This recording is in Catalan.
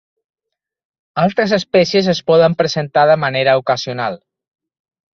Altres espècies es poden presentar de manera ocasional.